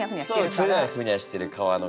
そうふにゃふにゃしてる皮の形を。